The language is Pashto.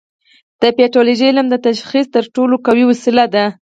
د پیتالوژي علم د تشخیص تر ټولو قوي وسیله ده.